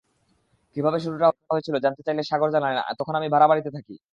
কীভাবে শুরুটা হয়েছিল জানতে চাইলে সাগর জানালেন, তখন আমি ভাড়া বাড়িতে থাকি।